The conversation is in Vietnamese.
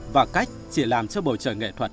và cách chỉ làm cho bầu trời nghệ thuật